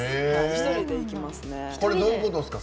１人で行きますね。